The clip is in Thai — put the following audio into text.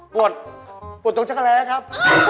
ปวดปวดตรงจักรแร้ครับ